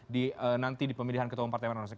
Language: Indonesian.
di nanti di pemilihan ketahuan partai amanat nasional